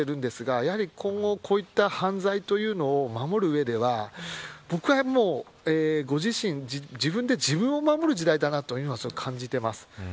警察としては逮捕しているんですが今後こういった犯罪というのを守る上では僕はご自身自分で自分を守る時代だなとすごく感じています。